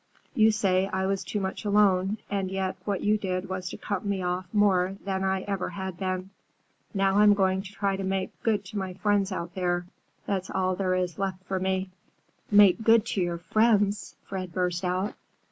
You say I was too much alone, and yet what you did was to cut me off more than I ever had been. Now I'm going to try to make good to my friends out there. That's all there is left for me." "Make good to your friends!" Fred burst out.